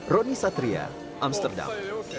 roni satria amsterdam